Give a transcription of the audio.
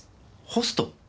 ホスト？